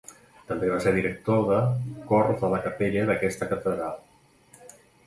També va ser director de, cor de la capella d'aquesta catedral.